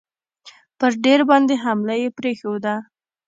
پر دیر باندي حمله یې پرېښوده.